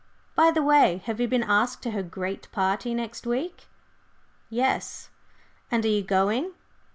By the way, have you been asked to her great party next week?" "Yes." "And are you going?"